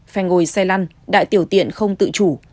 phè ngồi xe lăn đại tiểu tiện không tự chủ